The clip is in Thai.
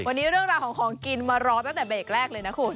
วันนี้เรื่องราวของของกินมารอตั้งแต่เบรกแรกเลยนะคุณ